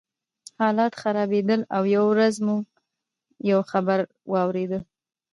حالات خرابېدل او یوه ورځ موږ یو خبر واورېد